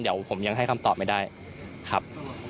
เดี๋ยวผมยังให้คำตอบไม่ได้ครับ